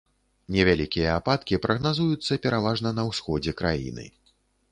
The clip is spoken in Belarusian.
Невялікія ападкі прагназуюцца пераважна на ўсходзе краіны.